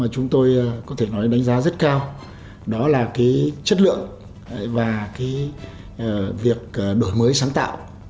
chúng tôi đánh giá rất cao đó là chất lượng và việc đổi mới sáng tạo